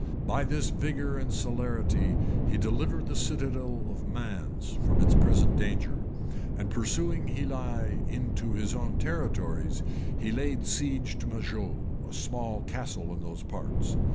[*] By this vigor and celerity he delivered the citadel of Mans from its present danger, and pursuing Helie into his own territories, he laid siege to Majol, a small castle in those parts: {1100.